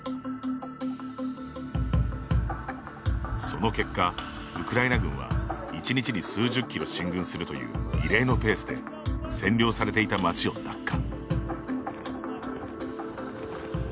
その結果、ウクライナ軍は１日に数十キロ進軍するという異例のペースで占領されていた町を奪還。